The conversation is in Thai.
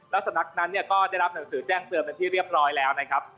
แล้วสำนักนั้นเนี่ยก็ได้รับหนังสือแจ้งเตือนเป็นที่เรียบร้อยแล้วนะครับ